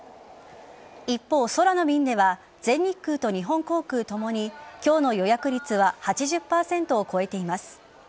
一方、空の便では全日空と日本航空ともに今日の予約率は８０％を超えています。